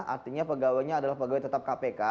artinya pegawainya adalah pegawai tetap kpk